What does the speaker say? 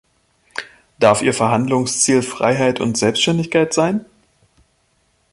Darf ihr Verhandlungsziel Freiheit und Selbständigkeit sein?